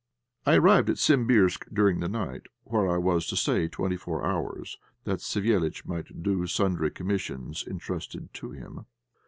I arrived at Simbirsk during the night, where I was to stay twenty four hours, that Savéliitch might do sundry commissions entrusted to him.